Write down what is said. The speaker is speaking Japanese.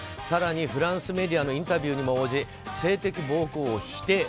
更に、フランスメディアのインタビューにも応じ性的暴行を否定。